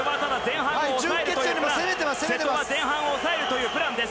瀬戸は前半抑えるというプランです。